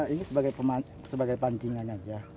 ini sebagai pancingan aja